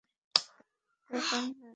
ব্যাপার না, দিয়ে দিব।